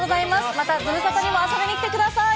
またズムサタにも遊びに来てください。